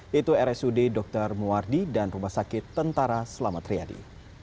yaitu rsud dr muwardi dan rumah sakit tentara selamat riyadi